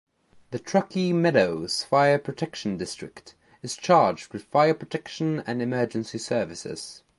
The Truckee Meadows Fire Protection District is charged with fire protection and emergency services.